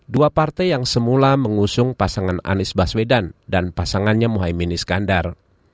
dua partai yang semula mengusung pasangan anies baswedan dan pasangannya muhaymin iskandar